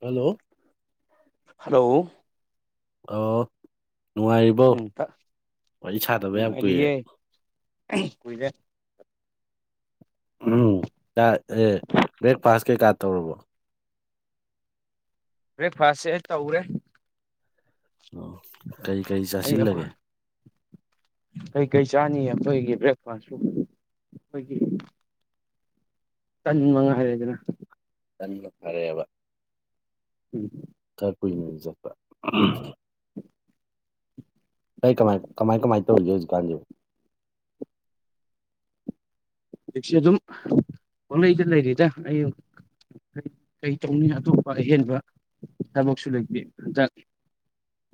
Hello hello ꯑꯣ ꯅꯨꯡꯉꯥꯏꯔꯤꯕ‌ꯣ ꯎꯝ ꯋꯥꯔꯤ ꯁꯥꯗꯕ ꯌꯥꯝ ꯀꯨꯏꯔꯦ ꯀꯨꯏꯔ‌ꯦ ꯎꯝ ꯇ ꯑꯦ ꯕ꯭ꯔꯦꯛꯐꯥꯁ ꯀꯩꯀꯥ ꯇꯧꯔꯕꯣ ꯕ꯭ꯔꯦꯛꯐꯥꯁꯁꯦ ꯇꯧꯔꯦ ꯑꯣ ꯀꯔꯤ ꯀꯔꯤ ꯑꯩ ꯆꯥꯁꯤꯜꯂꯒꯦ ꯑꯩꯈꯣꯏ ꯀꯩꯀꯩ ꯆꯥꯅꯤ ꯑꯈ‌ꯣꯏꯒꯤ ꯕ꯭ꯔꯦꯛꯐꯥꯁꯄꯨ ꯑꯩꯈꯣꯏꯒꯤ ꯆꯥꯟ ꯃꯉꯥꯏꯔ‌ꯦꯗꯅ ꯇꯟꯅ ꯐꯔꯦꯕ ꯎꯝ ꯈꯔ ꯀꯨꯏꯅꯖꯨ ꯆꯠꯄ [unintelligible] ꯑꯩ ꯀꯃꯥꯏ ꯀꯃꯥꯏꯟ ꯀꯃꯥꯏꯟ ꯇꯧꯔꯤꯒꯦ ꯍꯧꯖꯤꯛꯀꯥꯟꯖꯤ ꯍꯧꯖꯤꯛꯁꯤ ꯑꯗꯨꯝ ꯄꯪꯂꯩꯗ ꯂꯩꯔꯤꯗ ꯑꯩ ꯀꯩ ꯇꯧꯅꯤ ꯑꯇꯣꯞꯄ ꯑꯍꯦꯟꯕ ꯊꯕꯛꯁꯨ ꯂꯩꯇ‌ꯦ ꯍꯟꯗꯛ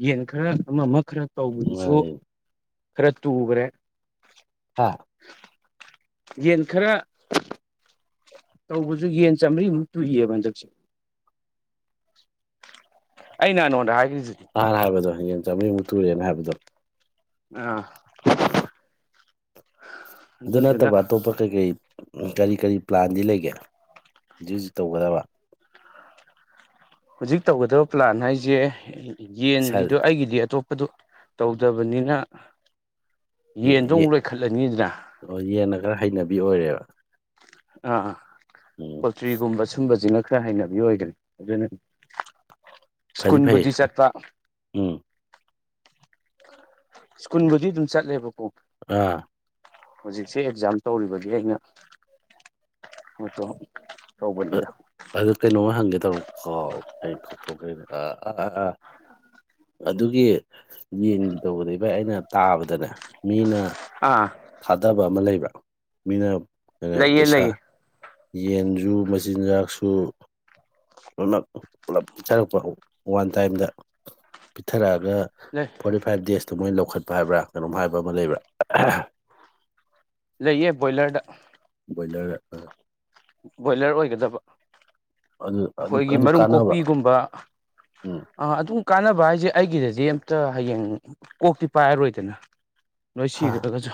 ꯌꯦꯟ ꯈꯔ ꯑꯃ ꯑꯃ ꯈꯔ ꯇꯧꯕꯗꯨꯁꯨ ꯅꯨꯡꯉꯥꯏꯔꯤ ꯈꯔ ꯇꯨꯈ꯭ꯔꯦ ꯍꯥꯥ ꯌꯦꯟ ꯈꯔ ꯇꯧꯕꯖꯨ ꯌꯦꯟ ꯆꯥꯝꯔꯤꯃꯨꯛ ꯇꯨꯏꯌ‌ꯦꯕ ꯍꯟꯗꯛꯁꯦ ꯑꯩ ꯅꯍꯟ ꯉꯣꯟꯗ ꯍꯥꯏꯈ꯭ꯔꯤꯁꯤꯗꯤ ꯅꯍꯥꯟ ꯍꯥꯏꯕꯗꯣ ꯌꯦꯟ ꯆꯥꯝꯔꯤꯃꯨꯛ ꯇꯨꯔꯦꯅ ꯍꯥꯏꯕꯗꯣ ꯑ ꯎꯝ ꯑꯗꯨ ꯑꯗꯨꯗꯨꯅ ꯅꯠꯇꯕ ꯑꯇꯣꯞꯄ ꯀꯩ ꯀꯩ ꯀꯔꯤ ꯀꯔꯤ ꯄ꯭ꯂꯥꯟꯗꯤ ꯂꯩꯒꯦ ꯍꯧꯖꯤꯛ ꯍꯧꯖꯤꯛ ꯇꯧꯒꯗꯕ ꯍꯧꯖꯤꯛ ꯇꯧꯒꯗꯕ ꯄ꯭ꯂꯥꯟ ꯍꯥꯏꯖ‌ꯦ ꯌꯦꯟꯒꯤꯗꯣ ꯑꯩꯒꯤꯗꯤ ꯑꯇꯣꯞ ꯄꯗ‌ꯣ ꯇꯧꯗꯕꯅꯤꯅ ꯌꯦꯟꯗꯣ ꯑꯃꯨꯛ ꯂꯣꯏꯈꯠꯂꯅꯤꯗꯅ ꯑꯣ ꯌꯦꯟꯅ ꯈꯔ ꯍꯩꯅꯕꯤ ꯑꯣꯏꯔꯦꯕ ꯑꯥ ꯎꯝ ꯄꯣꯜꯇ꯭ꯔꯤꯒꯨꯝꯕ ꯁꯨꯝꯕꯖꯤꯅ ꯈꯔ ꯍꯩꯅꯕꯤ ꯑꯣꯏꯈ꯭ꯔꯦ ꯑꯗꯨꯅ ꯐꯗꯤ ꯐꯩ ꯁ꯭ꯀꯨꯟꯕꯨꯗꯤ ꯆꯠꯄ ꯎꯝ ꯁ꯭ꯀꯨꯟꯕꯨꯗꯤ ꯑꯗꯨꯝ ꯆꯠꯂꯦꯕꯀꯣ ꯑ ꯍꯧꯖꯤꯛꯁꯦ ꯑꯦꯛꯖꯥꯝ ꯇꯧꯔꯤꯕꯒꯤ ꯑꯩꯅ [unintelligible] ꯑꯗꯨ ꯀꯩꯅꯣꯝꯃ ꯍꯪꯒꯦ ꯇꯧꯔꯝ ꯀꯥꯎ ꯑꯩ ꯀꯧꯊꯣꯛꯈ꯭ꯔ‌ꯦꯅꯦ ꯑꯥ ꯑꯥꯥ ꯑꯗꯨꯒꯤ ꯌꯦꯟꯒꯤ ꯇꯧꯕꯗ ꯏꯚꯥꯏ ꯑꯩꯅ ꯇꯥꯕꯗꯅꯦ ꯃꯤꯅ ꯑꯥ ꯊꯥꯗꯕ ꯑꯃ ꯂꯩꯕ꯭ꯔ ꯃꯤꯅ ꯑꯥ ꯂꯩꯌꯦ ꯄꯩꯁꯥ ꯂꯩꯌꯦ ꯌꯦꯟꯖꯨ ꯃꯆꯤꯟꯖꯥꯛꯁꯨ ꯂꯣꯏꯃꯛ ꯄꯨꯂꯞ ꯄꯤꯊꯔꯛꯄ ꯋꯥꯟ ꯇꯥꯏꯝꯗ ꯄꯤꯊꯔꯛꯑꯒ ꯂꯩ ꯐꯣꯔꯇꯤ ꯐꯥꯏꯚ ꯗꯦꯖꯇ ꯃꯣꯏ ꯂꯧꯈꯠꯄ ꯍꯥꯏꯕ꯭ꯔꯥ ꯀꯩꯅꯣꯝ ꯍꯥꯏꯕ ꯑꯃ ꯂꯩꯕ꯭ꯔꯥ ꯂꯩꯌꯦ ꯕꯣꯏꯂꯔ ꯗ ꯕꯣꯏꯂꯔ ꯑ ꯕꯣꯏꯂꯔ ꯑꯣꯏꯒꯗꯕ ꯑꯗꯨ ꯑꯗꯨ ꯑꯈꯣꯏꯒꯤ ꯑꯗꯨ ꯃꯔꯨꯝ ꯀꯥꯟꯅꯕ꯭ꯔꯥ ꯀꯣꯛꯄꯤꯒꯨꯝꯕ ꯎꯝ ꯑꯥ ꯑꯗꯨꯝ ꯀꯥꯟꯅꯕ ꯍꯥꯏꯖ‌ꯦ ꯑꯩꯒꯤꯗꯗꯤ ꯑꯝꯇ ꯍꯌꯦꯡ ꯀꯣꯛꯇꯤ ꯄꯥꯏꯔꯔꯣꯏꯗꯅ꯫ ꯂꯣꯏ ꯍꯥ ꯁꯤꯈ꯭ꯔꯒꯁꯨ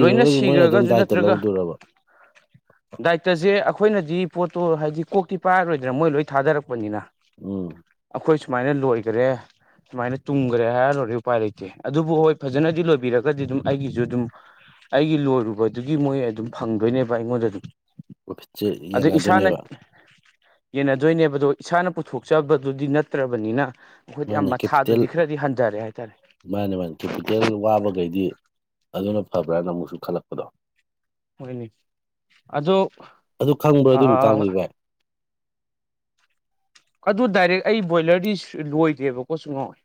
ꯂꯣꯏꯅ ꯃꯣꯏꯅ ꯑꯗꯨꯝ ꯁꯤꯈ꯭ꯔꯒꯁꯨ ꯗꯥꯏꯇ ꯅꯠꯇ꯭ꯔꯒ ꯂꯧꯗꯣꯏꯔꯕ ꯗꯥꯏꯇꯁꯦ ꯑꯩꯈꯣꯏꯅꯗꯤ ꯄꯣꯠꯇꯣ ꯍꯥꯏꯗꯤ ꯀꯣꯛꯇꯤ ꯄꯥꯏꯔꯔꯣꯏꯗꯅ ꯃꯣꯏ ꯂꯣꯏ ꯊꯥꯗꯔꯛꯄ ꯄꯅꯤꯅ ꯎꯝ ꯑꯩꯈꯣꯏ ꯁꯨꯃꯥꯏꯅ ꯂꯣꯏꯒꯔꯦ꯫ ꯁꯨꯃꯥꯏꯅ ꯇꯨꯝꯒꯔꯦ ꯍꯥꯏꯔ ꯂꯣꯏꯔꯦ ꯎꯄꯥꯏ ꯂꯩꯇꯦ ꯑꯗꯨꯕꯨ ꯍꯣꯏ ꯐꯖꯅꯗꯤ ꯂꯣꯏꯕꯤꯔꯒꯗꯤ ꯑꯗꯨꯝ ꯑꯩꯒꯤꯁꯨ ꯑꯗꯨꯝ ꯑꯩꯒꯤ ꯂꯣꯏꯔꯨꯕꯗꯨꯒꯤ ꯃꯣꯏ ꯑꯗꯨꯝ ꯐꯪꯗꯣꯏꯅꯦꯕ ꯑꯩꯉꯣꯟꯗꯗꯨꯝ [unintelligible] ꯌꯦꯟꯅꯗꯣꯏꯅꯦꯕ ꯌꯦꯟꯅꯗꯣꯏꯅꯦꯕ ꯑꯗꯣ ꯏꯁꯥꯅ ꯄꯨꯊꯣꯛꯆꯕꯗꯨꯗꯤ ꯅꯠꯇ꯭ꯔꯕꯅꯤꯅ ꯑꯩꯈꯣꯏꯗꯤ ꯑꯥ ꯃꯥꯅ ꯀꯦꯄꯤꯇꯦꯜ ꯃꯊꯥꯗꯨꯗꯤ ꯈꯔꯗꯤ ꯍꯟꯗꯔꯦ ꯍꯥꯏꯇꯥꯔꯦ ꯃꯥꯅꯦ ꯃꯥꯅꯦ ꯀꯦꯄꯤꯇꯦꯜ ꯋꯥꯕꯈꯩꯗꯤ ꯑꯗꯨꯅ ꯐꯕ꯭ꯔꯅ ꯑꯃꯨꯛꯁꯨ ꯈꯜꯂꯛꯄꯗꯣ ꯍꯣꯏꯅꯦ ꯑꯗꯨ ꯑꯗꯨ ꯈꯪꯕ꯭ꯔꯥ ꯑꯗꯨꯏ ꯑꯥ ꯃꯇꯥꯡꯗꯤ ꯚꯥꯏ ꯑꯗꯨ ꯗꯥꯏꯔꯦꯛ ꯑꯩ ꯕꯣꯏꯂꯔꯗꯤ ꯁꯨ ꯂꯣꯏꯗꯦꯕꯀꯣ ꯁꯨꯉꯣꯏ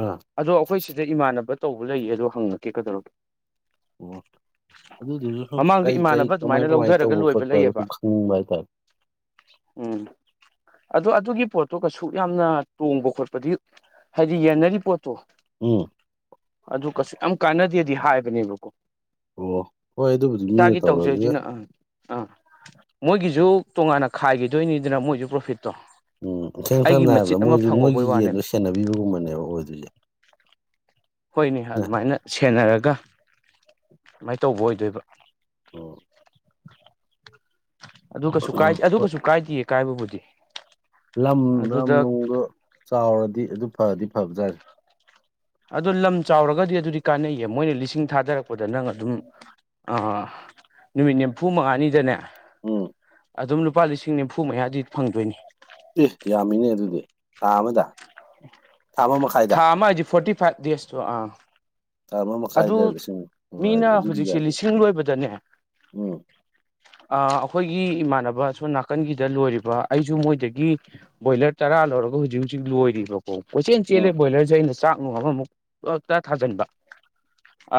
ꯑꯥ ꯑꯗꯣ ꯑꯩꯈꯣꯏ ꯁꯤꯗ ꯏꯃꯥꯟꯅꯕ ꯇꯧꯕ ꯂꯩꯌꯦ ꯑꯗꯣ ꯍꯪꯉꯛꯀꯦ ꯀꯩꯗꯧꯔꯒꯦ ꯑꯣ ꯑꯗꯨꯗꯨꯖꯨ ꯁꯨꯝ ꯃꯃꯥꯡꯗ ꯀꯩ ꯀꯩ ꯏꯃꯥꯟꯅꯕ ꯀꯃꯥꯏ ꯑꯗꯨꯃꯥꯏꯅ ꯀꯃꯥꯏꯅ ꯂꯧꯊꯔꯒ ꯇꯧꯕ ꯂꯣꯏꯕ ꯈꯣꯠꯄ ꯑꯗꯨ ꯁꯨꯝ ꯂꯩꯌꯦꯕ ꯈꯪꯅꯤꯡꯕ ꯍꯥꯏꯇꯥꯔꯦ ꯎꯝ ꯑꯗꯣ ꯑꯥ ꯑꯗꯨꯒꯤ ꯄꯣꯠꯇꯣ ꯀꯩꯁꯨꯛ ꯌꯥꯝꯅ ꯇꯣꯡꯕ ꯈꯣꯠꯄꯗꯤ ꯍꯥꯏꯗꯤ ꯌꯦꯟꯅꯔꯤ ꯄꯣꯠꯇꯣ ꯑꯣ ꯑꯗꯨ ꯀꯩꯁꯨꯛ ꯌꯥꯝ ꯀꯥꯟꯅꯗꯦꯗꯤ ꯍꯥꯏꯕꯅꯦꯕꯀꯣ ꯑꯣ ꯍꯣꯏ ꯑꯗꯨꯕꯨꯗꯤ ꯃꯤꯅ ꯏꯁꯥꯒꯤ ꯇꯧꯔꯕꯅꯤꯅ ꯇꯧꯖꯔꯤꯖꯤꯅ ꯑꯥ ꯑꯥ ꯃꯣꯏꯒꯤꯁꯨ ꯇꯣꯉꯥꯟꯅ ꯈꯥꯏꯈꯤꯗꯣꯏꯅꯤꯗꯅ ꯃꯣꯏꯁꯨ ꯄ꯭ꯔꯣꯐꯤꯠꯇꯣ ꯎꯝ ꯏꯁꯦꯝ ꯑꯩꯒꯤ ꯁꯝꯅ ꯃꯆꯤꯠ ꯍꯥꯏꯔꯕꯗ ꯑꯃ ꯃꯣꯏꯁꯨ ꯐꯪꯍꯧꯕꯩ ꯃꯣꯏꯒꯤ ꯌꯦꯟꯗꯣ ꯋꯥꯅꯦꯕ ꯁꯦꯟꯅꯕꯤꯕꯒꯨꯝꯕꯅꯦꯕ ꯑꯣꯏꯗꯣꯖꯦ ꯍꯣꯏꯅꯦ ꯑꯗꯨꯃꯥꯏꯅ ꯁꯦꯟꯅꯔꯒ ꯑꯗꯨꯃꯥꯏ ꯇꯧꯕ ꯑꯣꯏꯗꯣꯏꯕ ꯎꯝ ꯑꯗꯨ ꯀꯩꯁꯨ ꯀꯥꯏꯗꯦ ꯑꯗꯨ ꯍꯣꯏ ꯀꯩꯁꯨ ꯀꯥꯏꯗꯦꯌꯦ ꯀꯥꯏꯕꯕꯨꯗꯤ ꯂꯝ ꯂꯝ ꯑꯗꯨꯗ ꯅꯨꯡꯗꯣ ꯆꯥꯎꯔꯗꯤ ꯑꯗꯨ ꯐꯗꯤ ꯐꯕꯖꯅꯤ ꯑꯗꯣ ꯂꯝ ꯆꯥꯎꯔꯒꯗꯤ ꯑꯗꯨꯗꯤ ꯀꯥꯟꯅꯩꯌꯦ ꯃꯣꯏꯅ ꯂꯤꯁꯤꯡ ꯊꯥꯗꯔꯛꯄꯗ ꯅꯪ ꯑꯗꯨꯝ ꯑꯥ ꯅꯨꯃꯤꯠ ꯅꯤꯝꯐꯨ ꯃꯉꯥꯅꯤꯗꯅꯦ ꯑꯝ ꯑꯗꯨꯝ ꯂꯨꯄꯥ ꯂꯤꯁꯤꯡ ꯅꯤꯝꯐꯨ ꯃꯌꯥꯗꯤ ꯐꯪꯗꯣꯏꯅꯤ ꯑꯦ ꯌꯥꯝꯃꯤꯅꯦ ꯑꯗꯨꯗꯤ ꯊꯥ ꯑꯃꯗ ꯊꯥ ꯑꯃ ꯃꯈꯥꯏꯗ ꯊꯥ ꯑꯃ ꯍꯥꯏꯗꯤ ꯐꯣꯔꯇꯤ ꯐꯥꯏꯚ ꯗꯦꯁꯇꯣ ꯑꯥ ꯊꯥ ꯑꯃ ꯑꯗꯨ ꯃꯈꯥꯏꯗ ꯂꯤꯁꯤꯡ ꯃꯤꯅ ꯑꯗꯨꯗꯤ ꯍꯨꯖꯤꯛꯁꯦ ꯌꯥꯕꯅꯤ ꯂꯤꯁꯤꯡ ꯂꯣꯏꯕꯗꯅꯦ ꯎꯝ ꯑꯥ ꯑꯩꯈꯣꯏꯒꯤ ꯏꯃꯥꯟꯅꯕ ꯁꯣꯝ ꯅꯥꯀꯟꯒꯤꯗ ꯂꯣꯏꯔꯤꯕ ꯑꯩꯁꯨ ꯃꯣꯏꯗꯒꯤ ꯕꯣꯏꯂꯔ ꯇꯔꯥ ꯂꯧꯔꯒ ꯍꯨꯖꯤꯛ ꯍꯨꯖꯤꯛ ꯂꯣꯏꯔꯤꯕ ꯑꯣ ꯀꯣꯏꯆꯦꯜ ꯆꯦꯜꯂꯦ ꯑꯣ ꯕꯣꯏꯂꯔꯁꯦ ꯑꯩꯅ ꯆꯥꯛ ꯅꯨꯡ ꯑꯃꯃꯨꯛ ꯄꯛꯇ ꯊꯥꯖꯟꯕ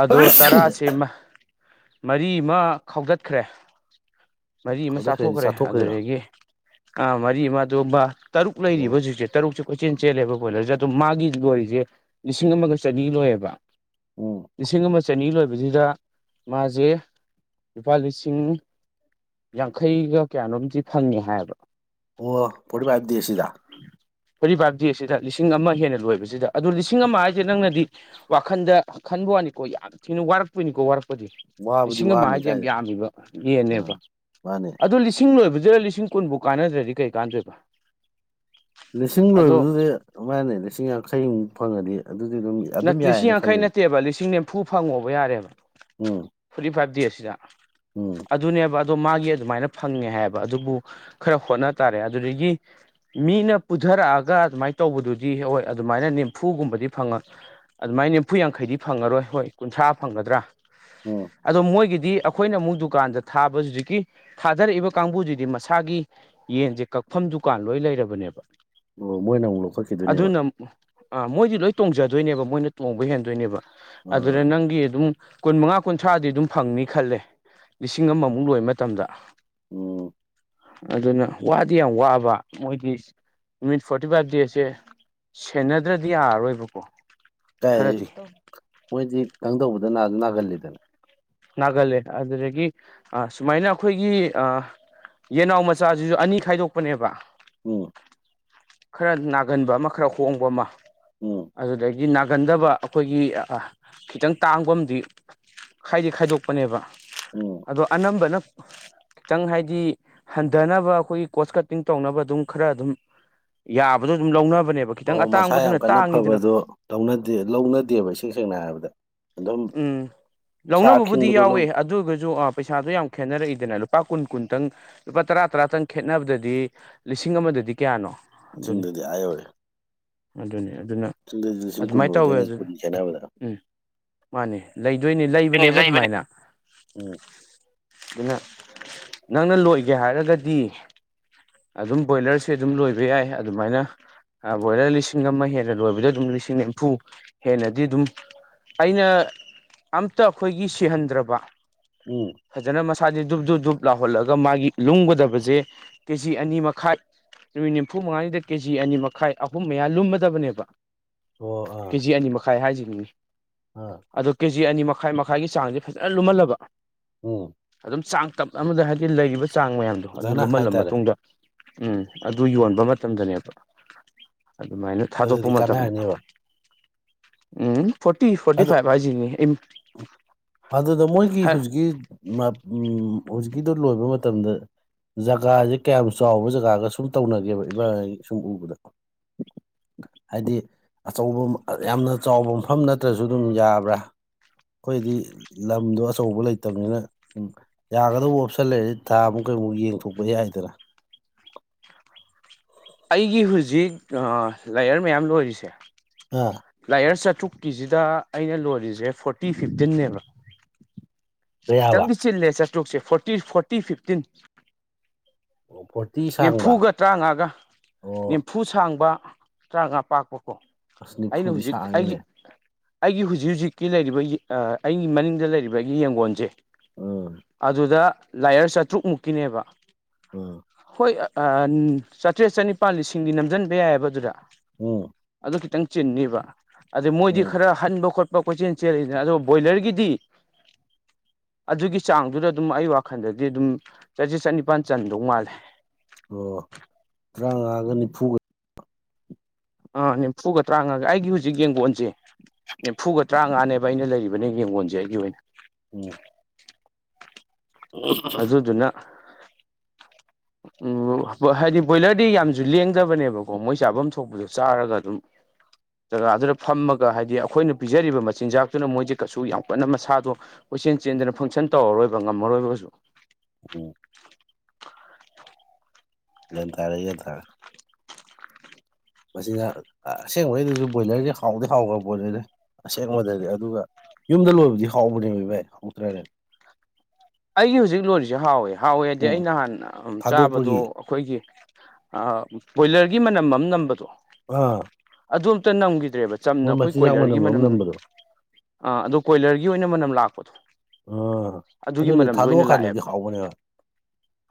ꯑꯗꯣ ꯇꯔꯥꯁꯤꯝ ꯃꯔꯤꯃ ꯈꯥꯎꯗꯠꯈ꯭ꯔꯦ ꯃꯔꯤꯃ ꯑꯗꯨꯗ ꯀ꯭ꯔꯦꯗꯤ ꯆꯥꯊꯣꯛꯈ꯭ꯔꯦ ꯆꯥꯊꯣꯛꯈ꯭ꯔꯦꯔꯥ ꯑꯗꯨꯗꯒꯤ ꯑꯥ ꯃꯔꯤꯃ ꯑꯗꯨꯝꯕ ꯇꯔꯨꯛ ꯂꯩꯔꯤꯕ ꯑꯣ ꯍꯧꯖꯤꯛꯁꯦ ꯇꯔꯨꯛꯁꯦ ꯀꯣꯏꯆꯦꯜ ꯆꯦꯜꯂꯦꯕ ꯕꯣꯏꯂꯔꯖꯦ ꯑꯗꯣ ꯃꯥꯒꯤ ꯂꯣꯏꯔꯤꯖꯦ ꯂꯤꯁꯤꯡ ꯑꯃꯒ ꯆꯅꯤ ꯂꯣꯏꯑꯕ ꯑꯝ ꯂꯤꯁꯤꯡ ꯑꯃ ꯆꯅꯤ ꯂꯣꯏꯕꯁꯤꯗ ꯃꯥꯖꯦ ꯂꯨꯄꯥ ꯂꯤꯁꯤꯡ ꯌꯥꯡꯈꯩꯒ ꯀꯌꯥꯅꯣꯝꯇꯤ ꯐꯪꯉꯦ ꯍꯥꯏꯑꯕ ꯑꯣ ꯐꯣꯔꯇꯤ ꯐꯥꯏꯚ ꯗꯦꯁ ꯁꯤꯗ ꯐꯔꯤꯐꯥꯏꯕ ꯗꯦꯁꯤꯗ ꯂꯤꯁꯤꯡ ꯑꯃ ꯍꯦꯟꯅ ꯂꯣꯏꯕꯁꯤꯗ ꯑꯗꯨ ꯂꯤꯁꯤꯡ ꯑꯃ ꯍꯥꯏꯖꯦ ꯅꯪꯅꯗꯤ ꯋꯥꯈꯟꯗ ꯈꯟꯕ ꯋꯥꯅꯤꯀꯣ ꯌꯥꯝ ꯊꯤꯅ ꯋꯥꯔꯛꯇꯣꯏꯅꯤꯀꯣ ꯋꯥꯔꯛꯄꯗꯤ ꯋꯥꯕꯨꯗꯤ ꯂꯤꯁꯤꯡ ꯑꯃ ꯋꯥꯅꯤ ꯍꯥꯏꯖ ꯌꯥꯝ ꯀꯥꯏꯗ ꯌꯥꯝꯃꯤꯕ ꯌꯦꯟꯅꯦꯕ ꯎꯝ ꯃꯥꯅꯦ ꯑꯗꯨ ꯂꯤꯁꯤꯡ ꯂꯤꯁꯤꯡ ꯂꯣꯏꯕꯖꯤꯗ ꯂꯤꯁꯤꯡ ꯀꯨꯟꯕꯨꯛ ꯀꯥꯟꯅꯗ꯭ꯔꯗꯤ ꯀꯩ ꯀꯥꯟꯗꯣꯏꯕ ꯂꯤꯁꯤꯡ ꯑꯗꯣ ꯂꯣꯏꯕꯗꯨꯗꯤ ꯃꯥꯟꯅꯦ ꯂꯤꯁꯤꯡ ꯌꯥꯡꯈꯩꯃꯨꯛ ꯐꯪꯉꯗꯤ ꯑꯗꯨꯗꯤ ꯑꯗꯨꯝ ꯑꯗꯨꯝ ꯅꯠꯇꯦ ꯂꯤꯁꯤꯡ ꯌꯥꯏꯌꯦꯅ ꯌꯥꯡꯈꯩ ꯈꯜꯂꯤꯗ ꯅꯠꯇꯦꯕ ꯂꯤꯁꯤꯡ ꯅꯤꯝꯐꯨ ꯐꯪꯉꯣꯕ ꯌꯥꯔꯦꯕ ꯎꯝ ꯐꯣꯔꯇꯤ ꯐꯥꯏꯚ ꯗꯦꯁ ꯁꯤꯗ ꯑꯥ ꯎꯝ ꯑꯗꯨꯅꯦꯕ ꯑꯗꯣ ꯃꯥꯒꯤ ꯑꯗꯨꯃꯥꯏꯅ ꯐꯪꯉꯦ ꯍꯥꯏꯑꯦꯕ ꯑꯗꯨꯕꯨ ꯈꯔ ꯍꯣꯠꯅ ꯇꯥꯔꯦ ꯑꯗꯨꯗꯒꯤ ꯃꯤꯅ ꯄꯨꯗꯥꯔꯛꯑꯒ ꯑꯗꯨꯃꯥꯏꯅ ꯇꯧꯕꯗꯨꯗꯤ ꯍ ꯍꯣꯏ ꯑꯗꯨꯃꯥꯏꯅ ꯅꯤꯝꯐꯨꯒꯨꯝꯕꯗꯤ ꯐꯪꯉ ꯑꯗꯨꯃꯥꯏꯅ ꯅꯤꯐꯨ ꯌꯥꯡꯈꯩꯗꯤ ꯐꯪꯉꯥꯔꯣꯏ ꯍꯣꯏ ꯀꯨꯟꯊ꯭ꯔꯥ ꯐꯪꯒꯗ꯭ꯔꯥ ꯎꯝ ꯑꯗꯣ ꯃꯣꯏꯒꯤꯗꯤ ꯑꯈꯣꯏꯅ ꯑꯃꯨꯛ ꯗꯨꯀꯥꯟꯗ ꯊꯥꯕ ꯍꯧꯖꯤꯛꯀꯤ ꯊꯥꯗꯔꯛꯏꯕ ꯀꯥꯡꯕꯨꯁꯤꯗꯤ ꯃꯁꯥꯒꯤ ꯌꯦꯟꯖꯦ ꯀꯛꯐꯝ ꯗꯨꯀꯥꯟ ꯂꯣꯏ ꯂꯩꯔꯕꯅꯦꯕ ꯑꯣ ꯃꯣꯏꯅ ꯑꯃꯨꯛ ꯂꯧꯈꯠꯈꯤꯗꯣꯏꯅꯦꯕ ꯑꯥ ꯃꯣꯏꯖꯤ ꯂꯣꯏ ꯇꯣꯡꯖꯗꯣꯏꯅꯦꯕ ꯃꯣꯏꯅ ꯇꯣꯡꯕ ꯍꯦꯟꯗꯣꯏꯅꯦꯕ ꯑꯗꯨꯗ ꯎꯝ ꯅꯪꯒꯤ ꯑꯗꯨꯝ ꯀꯨꯟꯃꯉꯥ ꯀꯨꯟꯊ꯭ꯔꯥꯗꯤ ꯑꯗꯨꯝ ꯐꯪꯅꯤ ꯈꯜꯂꯦ ꯂꯤꯁꯤꯡ ꯑꯃꯃꯨꯛ ꯂꯣꯏꯕ ꯃꯇꯝꯗ ꯎꯝ ꯑꯗꯨꯅ ꯋꯥꯗꯤ ꯌꯥꯝ ꯋꯥꯕ ꯃꯣꯏꯒꯤ ꯅꯨꯃꯤꯠ ꯐꯣꯔꯇꯤ ꯐꯥꯏꯚ ꯗꯦꯁꯁꯦ ꯁꯦꯟꯅꯗ꯭ꯔꯗꯤ ꯌꯥꯔꯔꯣꯏꯕꯀꯣ ꯀꯥꯏ ꯈꯔꯗꯤ ꯃꯣꯏꯗꯤ ꯇꯪ ꯇꯧꯕꯗ ꯅꯥꯖꯨ ꯅꯥꯒꯜꯂꯤꯗꯅ ꯅꯥꯒꯜꯂꯦ ꯑꯗꯨꯗꯒꯤ ꯑ ꯁꯨꯃꯥꯏꯅ ꯑꯩꯈꯣꯏꯒꯤ ꯑ ꯌꯦꯅꯥꯎ ꯃꯆꯥꯖꯤꯖꯨ ꯑꯅꯤ ꯈꯥꯏꯗꯣꯛꯄꯅꯦꯕ ꯎꯝ ꯈꯔꯥ ꯅꯥꯒꯟꯕ ꯑꯃ ꯈꯔ ꯍꯣꯡꯕ ꯑꯃ ꯎꯝ ꯑꯗꯨꯗꯒꯤ ꯅꯥꯒꯟꯗꯕ ꯑꯩꯈꯣꯏꯒꯤ ꯑ ꯈꯤꯇꯪ ꯇꯥꯡꯕ ꯑꯃꯗꯤ ꯈꯥꯏꯗꯤ ꯈꯥꯏꯗꯣꯛꯄꯅꯦꯕ ꯎꯝ ꯑꯗꯣ ꯑꯅꯝꯕꯅ ꯈꯤꯇꯪ ꯍꯥꯏꯗꯤ ꯍꯟꯗꯅꯕ ꯑꯩꯈꯣꯏꯒꯤ ꯀꯣꯁ ꯀꯠꯇꯤꯡ ꯇꯧꯅꯕ ꯑꯗꯨꯝ ꯈꯔ ꯑꯗꯨꯝ ꯌꯥꯕꯗꯣ ꯑꯗꯨꯝ ꯂꯧꯅꯕꯅꯦꯕ ꯈꯤꯇꯪ ꯑꯣ ꯃꯁꯥ ꯌꯥꯝ ꯑꯇꯥꯡꯕꯗꯨꯅ ꯀꯟꯅ ꯇꯥꯡꯉꯤꯗꯅ ꯐꯕꯗꯣ ꯂꯧꯅꯗꯦ ꯂꯧꯅꯗꯦꯕ ꯏꯁꯦꯡ ꯁꯦꯡꯅ ꯍꯥꯏꯔꯕꯗ ꯑꯗꯨꯝ ꯎꯝ ꯃꯁꯥ ꯂꯧꯅꯕꯕꯨꯗꯤ ꯑꯈꯤꯡꯕꯗꯣ ꯂꯧ ꯌꯥꯎꯋꯦ ꯑꯗꯨ ꯒꯖꯨ ꯑ ꯄꯩꯁꯥꯗꯣ ꯌꯥꯝ ꯈꯦꯠꯅꯔꯛꯏꯗꯅ ꯂꯨꯄꯥ ꯀꯨꯟ ꯀꯨꯟꯇꯪ ꯂꯨꯄꯥ ꯇꯔꯥ ꯇꯔꯥꯇꯪ ꯈꯦꯠꯅꯕꯗꯗꯤ ꯂꯤꯁꯤꯡ ꯑꯃꯗꯗꯤ ꯀꯌꯥꯅꯣ ꯑꯗꯨꯅꯤ ꯁꯤꯡꯗꯗꯤ ꯑ ꯌꯧꯔꯦ ꯑꯗꯨꯅꯤ ꯑꯗꯨꯅ ꯆꯤꯟꯗꯗꯤ ꯂꯤꯁꯤꯡ ꯀꯨꯟ ꯑꯗꯨꯃꯥꯏꯅ ꯇꯧꯋꯦ ꯑꯣꯏꯗꯣꯏꯅꯦ ꯑꯗꯨ ꯀꯨꯟ ꯈꯦꯅꯕꯗ ꯎꯝ ꯃꯥꯅꯦ ꯂꯩꯗꯣꯏꯅꯦ ꯂꯩꯕꯅꯦꯕ ꯑꯗꯨꯃꯥꯏꯅ ꯎꯝ ꯗꯨꯅ ꯅꯪꯅ ꯂꯣꯏꯒꯦ ꯍꯥꯏꯔꯒꯗꯤ ꯑꯗꯨꯝ ꯕꯣꯏꯂꯔꯁꯦ ꯑꯗꯨꯝ ꯂꯣꯏꯕ ꯌꯥꯏ ꯑꯗꯨꯃꯥꯏꯅ ꯍꯥ ꯕꯣꯏꯂꯔ ꯂꯤꯁꯤꯡ ꯑꯃ ꯍꯦꯟꯅ ꯂꯣꯏꯕꯗ ꯑꯗꯨꯝ ꯂꯤꯁꯤꯡ ꯅꯤꯐꯨ ꯍꯦꯟꯅꯗꯤ ꯑꯗꯨꯝ ꯑꯩꯅ ꯑꯝꯇ ꯑꯩꯈꯣꯏꯒꯤ ꯁꯤꯍꯟꯗ꯭ꯔꯕ ꯎꯝ ꯐꯖꯅ ꯃꯁꯥꯁꯦ ꯗꯨꯨꯞ ꯗꯨꯞ ꯗꯨꯞ ꯂꯥꯎꯍꯜꯂꯒ ꯃꯥꯒꯤ ꯂꯨꯝꯒꯗꯕꯖꯦ ꯀꯦꯖꯤ ꯑꯅꯤ ꯃꯈꯥꯏ ꯅꯨꯃꯤꯠ ꯅꯤꯝꯐꯨ ꯃꯉꯥꯅꯤꯗ ꯀꯦꯖꯤ ꯑꯅꯤ ꯃꯈꯥꯏ ꯑꯍꯨꯝ ꯃꯌꯥ ꯂꯨꯝꯃꯗꯕꯅꯦꯕ ꯑꯣ ꯑꯥ ꯀꯦꯖꯤ ꯑꯅꯤ ꯃꯈꯥꯏ ꯍꯥꯏꯖꯅꯤꯅꯤ ꯑ ꯑꯗꯣ ꯀꯦꯖꯤ ꯑꯅꯤ ꯃꯈꯥꯏ ꯃꯈꯥꯏꯒꯤ ꯆꯥꯡꯖꯦ ꯐꯖꯅ ꯂꯨꯝꯍꯜꯂꯕ ꯎꯝ ꯑꯗꯨꯝ ꯆꯥꯡ ꯇꯞ ꯑꯃꯗ ꯍꯥꯏꯗꯤ ꯂꯩꯔꯤꯕ ꯆꯥꯡ ꯃꯌꯥꯝꯗꯣ ꯑꯗꯨ ꯑꯣꯖꯥꯅ ꯂꯨꯝꯍꯜꯂ ꯍꯥꯏꯇꯥꯔꯦ ꯃꯇꯨꯡꯗ ꯎꯝ ꯑꯗꯨ ꯌꯣꯟꯕ ꯃꯇꯝꯗꯅꯦꯕ ꯑꯗꯨꯃꯥꯏꯅ ꯊꯥꯗꯣꯛꯄ ꯑꯗꯨꯗꯤ ꯃꯇꯝꯗ ꯀꯥꯟꯅꯔꯅꯦꯕ ꯎꯝ ꯐꯣꯔꯇꯤ ꯐꯣꯔꯇꯤ ꯑꯗꯨ ꯐꯥꯏꯚ ꯍꯥꯏꯖꯤꯅꯤ ꯏꯟ ꯑꯗꯨꯗ ꯃꯣꯏꯒꯤ ꯍꯧꯖꯤꯛꯀꯤ ꯃꯞ ꯎꯝ ꯍꯧꯖꯤꯛꯀꯤꯗꯨ ꯂꯣꯏꯕ ꯃꯇꯝꯗ ꯖꯒꯥꯖꯦ ꯀꯌꯥꯝ ꯆꯥꯎꯕ ꯖꯒꯥꯒ ꯁꯨꯝ ꯇꯧꯅꯒꯦꯕ ꯏꯕꯥꯏ ꯍꯣꯏ ꯁꯨꯝ ꯎꯕꯗ ꯍꯥꯏꯗꯤ ꯑꯆꯧꯕꯃ ꯌꯥꯝꯅ ꯆꯥꯎꯕ ꯃꯐꯝ ꯅꯠꯇ꯭ꯔꯁꯨ ꯑꯗꯨꯝ ꯌꯥꯕ꯭ꯔꯥ ꯈꯣꯏꯗꯤ ꯂꯝꯗꯣ ꯑꯆꯧꯕ ꯂꯩꯇꯕꯅꯤꯅ ꯎꯝ ꯌꯥꯒꯗꯧꯕ ꯑꯣꯞꯁꯟ ꯂꯩꯔꯗꯤ ꯊꯥ ꯃꯨꯛ ꯀꯩꯃꯨꯛ ꯌꯦꯡꯊꯣꯛꯄꯗꯤ ꯌꯥꯏꯗꯅ ꯑꯩꯒꯤ ꯍꯧꯖꯤꯛ ꯑ ꯂꯌꯔ ꯃꯌꯥꯝ ꯂꯣꯏꯔꯤꯁꯦ ꯑꯥ ꯂꯥꯏꯌꯔ ꯆꯥꯇ꯭ꯔꯨꯛꯀꯤꯁꯤꯗ ꯑꯩꯅ ꯂꯣꯏꯔꯤꯁꯦ ꯐꯣꯔꯇꯤ ꯐꯤꯐꯇꯤꯟꯅꯦꯕ ꯀꯌꯥꯕ ꯈꯤꯇꯪꯗꯤ ꯆꯤꯜꯂꯦ ꯆꯥꯇ꯭ꯔꯨꯛꯁꯦ ꯐꯣꯔꯇꯤ ꯐꯣꯔꯇꯤ ꯐꯤꯞꯇꯤꯟ ꯑꯣ ꯐꯣꯔꯇꯤ ꯁꯥꯡꯕ ꯅꯤꯝꯐꯨꯒ ꯇꯔꯥꯉꯥꯒ ꯑꯣ ꯅꯤꯐꯨ ꯁꯥꯡꯕ ꯇꯔꯥꯃꯉꯥ ꯄꯥꯛꯄꯀꯣ ꯑꯁ ꯑꯩꯅ ꯅꯤꯐꯨꯗꯤ ꯍꯧꯖꯤꯛ ꯑꯩꯒꯤ ꯁꯥꯡꯉꯤꯅꯦ ꯑꯩꯒꯤ ꯍꯧꯨꯖꯤꯛ ꯍꯧꯨꯖꯤꯛꯀꯤ ꯂꯩꯔꯤꯕ ꯑꯩꯒꯤ ꯃꯅꯤꯡꯗ ꯂꯩꯔꯤꯕ ꯑꯩꯒꯤ ꯌꯦꯡꯒꯣꯟꯁꯦ ꯎꯝ ꯑꯗꯨꯗ ꯂꯥꯏꯌꯔ ꯆꯥꯇ꯭ꯔꯨꯛ ꯃꯨꯛꯀꯤꯅꯦꯕ ꯑꯥ ꯍꯣꯏ ꯆꯥꯇ꯭ꯔꯦꯠ ꯆꯅꯤꯄꯥꯜ ꯂꯤꯁꯤꯡꯗꯤ ꯅꯝꯁꯤꯟꯕ ꯌꯥꯏꯑꯕ ꯑꯗꯨꯗ ꯑꫭ ꯑꯗꯨ ꯈꯤꯇꯪ ꯆꯤꯟꯅꯅꯤꯕ ꯑꯗꯨꯗ ꯃꯣꯏꯗꯤ ꯎꯝ ꯈꯔ ꯍꯟꯕ ꯈꯣꯠꯄ ꯀꯣꯏꯆꯦꯜ ꯆꯦꯜꯂꯤꯗꯅ ꯑꯗꯨ ꯕꯣꯏꯂꯔꯒꯤꯗꯤ ꯑꯗꯨꯒꯤ ꯆꯥꯡꯗꯨꯗ ꯑꯗꯨꯝ ꯑꯩ ꯋꯥꯈꯜꯗꯗꯤ ꯑꯗꯨꯝ ꯆꯥꯇ꯭ꯔ‌ꯦꯠ ꯆꯅꯤꯄꯥꯟ ꯆꯟꯗꯧ ꯃꯥꯜꯂꯦ ꯑꯣ ꯇꯥꯡꯉꯥꯒ ꯅꯤꯝꯐꯨꯒ ꯑꯥ ꯅꯤꯝꯐꯨꯒ ꯇꯔꯥꯃꯉꯥꯒ ꯑꯩꯒꯤ ꯍꯧꯖꯤꯛ ꯌꯦꯡꯒ‌ꫭꯟꯁꯦ ꯅꯤꯝꯐꯨꯒ ꯇꯔꯥꯃꯉꯥꯅꯦꯕ ꯑꯩꯅ ꯂꯩꯔꯤꯕꯅꯦ ꯌꯦꯡꯒꯣꯟꯁꯦ ꯑꯩꯒꯤ ꯑꯣꯏꯅ ꯎꯝ ꯑꯣ [unintelligible] ꯗꯨꯅ ꯎꯝ ꯍꯥꯏꯗꯤ ꯕꯣꯏꯂꯔꯗꯤ ꯌꯥꯝꯁꯨ ꯂꯦꯡꯗꯕꯅꯦꯕꯀꯣ ꯃꯣꯏ ꯆꯥꯐꯝ ꯊꯣꯛꯄꯗ ꯆꯥꯔꯒ ꯑꯗꯨꯝ ꯖꯒꯥꯗꯨꯗ ꯐꯝꯃꯒ ꯍꯥꯏꯗꯤ ꯑꯩꯈꯣꯏꯅ ꯄꯤꯖꯔꯤꯕ ꯃꯆꯤꯟꯖꯥꯛꯇꯨꯅ ꯃꯣꯏꯁꯦ ꯀꯩꯁꯨ ꯌꯥꯝ ꯀꯟꯅ ꯃꯁꯥꯗꯣ ꯀꯣꯏꯆꯦꯟ ꯆꯦꯟꯗꯅ ꯐꯪꯁꯟ ꯇꯧꯔꯔꯣꯏꯕ ꯉꯝꯃꯔꯣꯏꯕꯁꯨ ꯎꯝ ꯒꯥꯟꯇꯥꯥꯔꯦ ꯒꯥꯟꯇꯥꯔꯦ ꯃꯁꯤꯅ ꯑꯁꯦꯡꯕꯩꯩꯅꯁꯨ ꯕꯣꯏꯂꯔꯁꯦ ꯍꯥꯎꯗꯤ ꯍꯥꯎꯈ꯭ꯔꯕ ꯕꯣꯏꯂꯔꯁꯦ꯫ ꯑꯁꯦꯡꯕꯗꯗꯤ ꯑꯗꯨꯒ ꯌꯨꯝꯗ ꯂꯣꯏꯕꯗꯤ ꯍꯥꯎꯕꯅꯦꯕ ꯏꯚꯥꯏ ꯍꯥꯎꯇ꯭ꯔꯥꯅꯦ ꯑꯩꯒꯤ ꯍꯧꯖꯤꯛ ꯂꯣꯟꯔꯤꯁꯦ ꯍꯥꯎꯋꯦ ꯍꯥꯎꯋꯦ ꯍꯥꯏꯗꯤ ꯎꯝ ꯑꯩꯅꯍꯥꯟ ꯆꯥꯕꯗꯣ ꯊꯥꯗꯣꯛꯄꯒꯤ ꯑꯩꯈꯣꯏꯒꯤ ꯑꯥ ꯕꯣꯏꯂꯔꯒꯤ ꯃꯅꯝ ꯑꯃ ꯅꯝꯕꯗꯣ ꯑꯥ ꯑꯗꯨꯝꯇ ꯅꯝꯈꯤꯗ꯭ꯔꯦꯕ ꯆꯝꯅ ꯃꯣꯏ ꯑꯩꯈꯣꯏ ꯃꯆꯤꯟꯖꯥꯛ ꯀꯣꯏꯂꯔꯒꯤ ꯑꯃ ꯃꯅꯝ ꯅꯝꯕꯗꯣ ꯑꯥ ꯑꯗꯣ ꯀꯣꯏꯂꯔꯒꯤ ꯑꯣꯏꯅ ꯃꯅꯝ ꯂꯥꯛꯄꯗꯣ ꯑꯥ ꯑꯗꯨꯒꯤ ꯑꯗꯨꯅ ꯃꯅꯝꯗꯣ ꯊꯥꯗꯣꯛ ꯑꯣꯏꯅ ꯑꯀꯥꯟꯗꯗꯤ ꯂꯥꯛꯑꯦꯕ ꯍꯥꯎꯕꯅꯦꯕ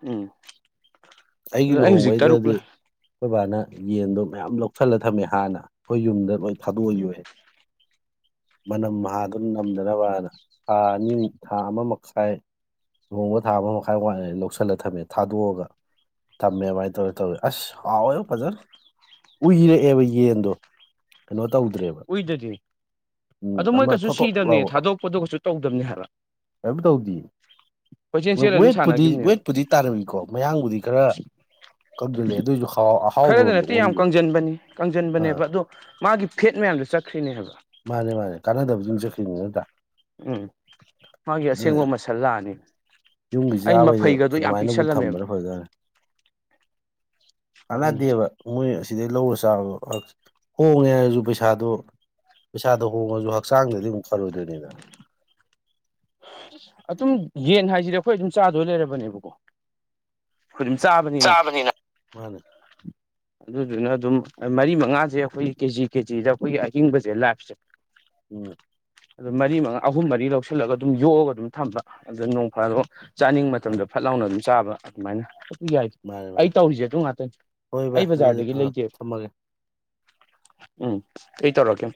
ꯎꯝ ꯫ ꯑꯩꯒꯤ ꯑꯗꯣ ꯑꯩ ꯍꯧꯖꯤꯛ ꯇꯔꯨꯛ ꯂꯨꯍꯣꯡꯕꯩꯗꯗꯤ ꯂꯩ ꯑꯩꯈꯣꯏ ꯕꯥꯅ ꯌꯦꯟꯗꯣ ꯃꯌꯥꯝ ꯂꯧꯁꯜꯂ ꯊꯝꯃꯦ ꯍꯥꯟꯅ ꯑꯩꯈꯣꯏ ꯌꯨꯝꯗ ꯂꯣꯏ ꯊꯥꯗꯣꯛꯑ ꯌꯣꯛꯑꯦ ꯃꯅꯝ ꯍꯥꯗꯨꯅ ꯅꯝꯗꯅꯕꯅ ꯊꯥ ꯑꯅꯤꯃꯛ ꯊꯥ ꯑꯃ ꯃꯈꯥꯏ ꯂꯨꯍꯣꯡꯕ ꯊꯥ ꯑꯃ ꯃꯈꯥꯏ ꯋꯥꯏꯂꯤ ꯂꯧꯁꯤꯜꯂꯒ ꯊꯝꯃꯦ ꯊꯥꯗꯣꯛꯑꯒ ꯊꯝꯃꯦ ꯃꯥꯥꯏ ꯇꯧꯔꯥ ꯇꯧꯔꯥ ꯑꯁ ꯍꯥꯎꯌ‌ꯦꯕ‌ꫭ ꯐꯖꯅ ꯎꯏꯔꯛꯑꯦꯕ ꯌꯦꯟꯗꯣ꯫ ꯀꯩꯅꯣ ꯇꯧꯗ꯭ꯔꯦꯕ ꯎꯏꯗꯗꯤ ꯑꯃ ꯊꯣꯇ‌ꫭꯠ ꯂꯥꯎꯕꯗ‌ꫭ ꯄ‌ꫭꯠꯇꯣ ꯀꯩꯁꯨ ꯇꯧꯗꯕꯅꯤ ꯍꯥꯏꯕ ꯀꯩꯝ ꯇꯧꯗ‌ꯦꯌ‌ꯦ ꯀꯣꯏꯆꯦꯟ ꯆꯦꯜꯂ ꯑꯗꯨꯝ ꯋꯦꯠꯄꯨꯗꯤ ꯁꯥꯟꯅꯈꯤꯕꯅꯦꯕ ꯋꯦꯠꯄꯨꯗꯤ ꯇꯥꯔꯕꯤꯀꯣ ꯃꯌꯥꯝꯕꯨꯗꯤ ꯈꯔ ꯀ‌ꯪꯁꯤꯜꯂꯦ ꯑꯗꯨꯑꯣꯏꯁꯨ ꯈꯔꯗ ꯑꯍꯥꯎꯕꯔꯣꯝꯗ ꯅꯠꯇꯦ ꯌꯥꯝ ꯑꯣꯟꯒꯤꯕ ꯀꯪꯁꯤꯟꯕꯅꯤ ꯑꯥ ꯀꯪꯁꯤꯟꯕꯅꯦꯕ ꯑꯗꯣ ꯃꯥꯒꯤ ꯐꯦꯠ ꯃꯌꯥꯝꯗꯣ ꯆꯠꯈ꯭ꯔꯤꯅꯦꯕ ꯃꯥꯅꯦ ꯃꯥꯅꯦ ꯀꯥꯟꯅꯗꯕ ꯌꯦꯡ ꯆꯈꯤꯕꯅꯤ ꯅꯠꯇ꯭ꯔꯥ ꯎꯝ ꯃꯥꯒꯤ ꯑꯁꯦꯡꯕ ꯑꯗꯨꯅ ꯃꯥꯁꯜ ꯂꯥꯛꯑꯥꯅꯤ ꯌꯨꯝꯒꯤ ꯆꯥꯕꯩꯗꯤ ꯑꯗꯨꯃꯥꯏꯅꯕꯨ ꯊꯝꯕꯅ ꯐꯖꯥꯠꯅꯤ ꯀꯅꯥꯗꯦꯕꯥ ꯃꯣꯏ ꯑꯁꯤꯗꯩ ꯂꯧꯔ ꯆꯥꯕꯗꯣ ꯍꯣꯡꯉꯦ ꯍꯥꯏꯔꯁꯨ ꯄꯩꯁꯥꯗꯣ- ꯄꯩꯁꯥꯗꯣ ꯍꯣꯡꯉꯁꯨ ꯍꯛꯆꯥꯡꯗꯗꯤ ꯑꯃꯨꯛ ꯐꯔꯣꯏꯗꯣꯏꯅꯤꯗꯥꯅ ꯑꯗꯨꯝ ꯌꯦꯟ ꯍꯥꯏꯁꯤꯗꯤ ꯑꯩꯈꯣꯏ ꯑꯗꯨꯝ ꯆꯥꯗꯣꯏ ꯂꯩꯔꯕꯅꯦꯕꯀꯣ ꯈ‌ꫭꯏ ꯑꯗꯨꯝ ꯆꯥꯕꯅꯤ ꯆꯥꯕꯅꯤꯅ ꯃꯥꯟꯅ‌ꯦ ꯑꯗꯨꯗꯨꯅ ꯑꯗꯨꯝ ꯃꯔꯤ ꯃꯉꯥꯁꯦ ꯑꯩꯈꯣꯏ ꯀꯦꯖꯤ ꯀꯦꯖꯤꯗ ꯑꯩꯈꯣꯏꯒꯤ ꯑꯍꯤꯡꯕꯁꯦ ꯂꯥꯏꯞꯁꯦ ꯎꯝ ꯑꯗꯨ ꯃꯔꯤ ꯃꯉꯥ ꯑꯍꯨꯝ ꯃꯔꯤ ꯂꯧꯁꯤꯜꯂꯒ ꯑꯗꯨꯝ ꯌꯣꯛꯑꯒ ꯑꯗꯨꯝ ꯊꯝꯕ ꯑꯗꯨꯗ ꯅꯣꯡ ꯐꯥꯗ‌ꯣꯛ ꯆꯥꯅꯤꯡꯕ ꯃꯇꯝꯗ ꯐꯠ ꯂꯥꯎꯅ ꯑꯗꯨꯝ ꯆꯥꯕ ꯑꯗꯨꯃꯥꯏꯅ ꯑꯗꯨ ꯌꯥꯏ ꯃꯥꯅꯦ ꯑꯩ ꯃꯥꯅꯦ ꯇꯧꯔꯤꯁꯦ ꯑꯗꯨ ꯉꯥꯠꯇꯅꯤ ꯍꯣꯏ ꯚꯥꯏ ꯑꯩ ꯑꯗꯨꯗꯤ ꯕꯖꯥꯔꯗꯒꯤ ꯑꯥ ꯂꯩꯗꯦꯕ ꯊꯝꯃꯒꯦ ꯎꯝ ꯑꯩ ꯇꯧꯔꯛꯀꯦ